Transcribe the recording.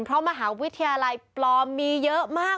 เพราะมหาวิทยาลัยปลอมมีเยอะมาก